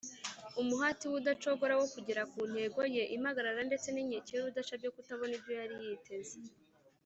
. Umuhati we udacogora wo kugera ku ntego ye, impagarara ndetse n’inkeke y’urudaca byo kutabona ibyo yari yiteze,